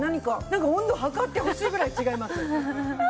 温度測ってほしいくらい違います！